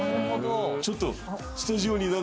ちょっと。